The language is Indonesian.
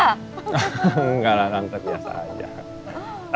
enggak lah luar biasa aja